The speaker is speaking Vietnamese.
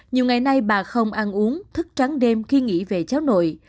nhiều ngày nay bà không ăn uống thức trắng đêm khi nghĩ về cháu nội